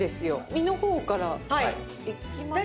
身の方からいきますけど。